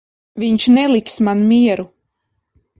Viņš neliks man mieru.